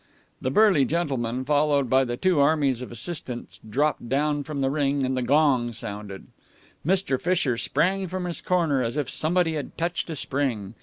The burly gentleman, followed by the two armies of assistants, dropped down from the ring, and the gong sounded. Mr. Fisher sprang from his corner as if somebody had touched a spring.